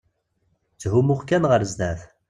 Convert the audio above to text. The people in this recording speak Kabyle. Tthumuɣ kan ɣer sdat.